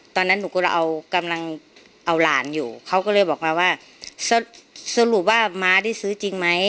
ตอนนั้นหนูกำลังเอากำลังเอาหลานอยู่เขาก็เลยบอกมาว่าสรุปว่าม้าได้ซื้อจริงไหม